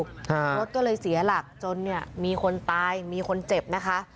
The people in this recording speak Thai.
ฮะรถก็เลยเสียหลักจนเนี่ยมีคนตายมีคนเจ็บนะคะ